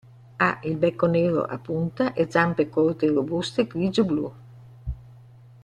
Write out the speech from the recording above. Ha il becco nero a punta e zampe corte e robuste grigio-blu.